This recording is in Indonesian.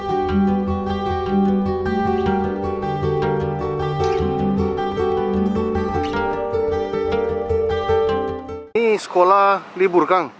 ini sekolah libur kang